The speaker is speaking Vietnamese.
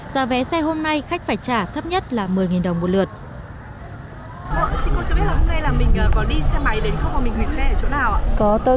giá vé xe hôm nay khách phải trả thấp nhất là một mươi đồng một lượt